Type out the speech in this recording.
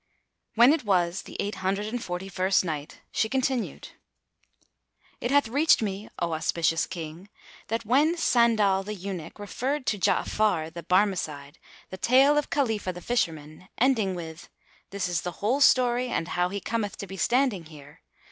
When it was the Eight Hundred and Forty first Night, She continued, It hath reached me, O auspicious King, that when Sandal the Eunuch related to Ja'afar the Barmecide the tale of Khalifah the Fisherman, ending with, "This is the whole story and how he cometh to be standing here!"